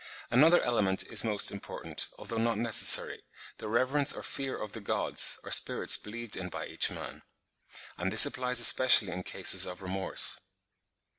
Another element is most important, although not necessary, the reverence or fear of the Gods, or Spirits believed in by each man: and this applies especially in cases of remorse.